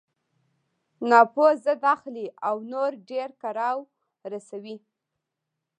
ناپوه ضد اخلي او نور ډېر کړاو رسوي.